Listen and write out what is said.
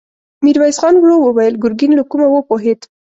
ميرويس خان ورو وويل: ګرګين له کومه وپوهېد؟